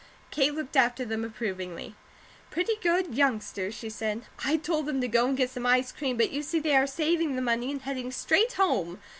Kate looked after them approvingly: "Pretty good youngsters," she said. "I told them to go and get some ice cream; but you see they are saving the money and heading straight home."